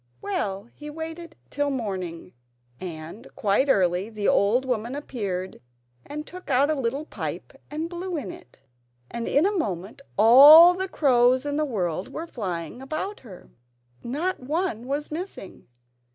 Well, he waited till the morning, and quite early the old woman appeared and took out a little pipe and blew in it, and in a moment all the crows in the world were flying about her. Not one was missing.